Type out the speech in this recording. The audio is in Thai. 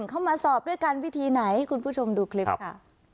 เข้ามาสอบด้วยกันวิธีไหนคุณผู้ชมดูคลิปค่ะ